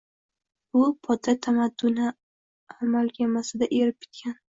bu “poda tamadduni amalgamasida erib bitgan